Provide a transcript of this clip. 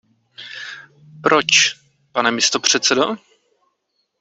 Proč, pane místopředsedo?